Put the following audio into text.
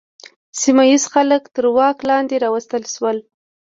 سیمه ییز خلک تر واک لاندې راوستل شول.